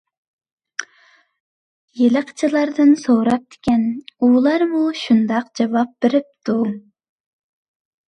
يىلقىچىلاردىن سوراپتىكەن، ئۇلارمۇ شۇنداق جاۋاب بېرىپتۇ.